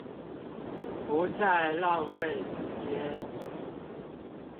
不再浪費時間